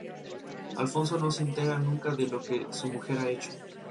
Es editora de la revista ¿Cómo ves?